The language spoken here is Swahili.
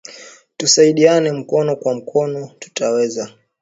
Tusaidiane mukono kwa mukono tuta weza